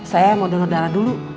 saya mau donor darah dulu